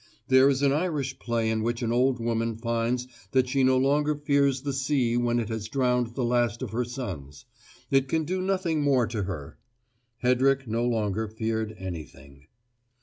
There is an Irish play in which an old woman finds that she no longer fears the sea when it has drowned the last of her sons; it can do nothing more to her. Hedrick no longer feared anything.